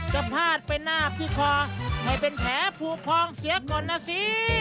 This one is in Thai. พาดไปนาบที่คอให้เป็นแผลภูพองเสียก่อนนะสิ